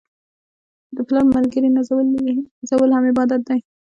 د پلار ملګري نازول هم عبادت دی.